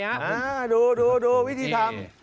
อะดูวิธีทำ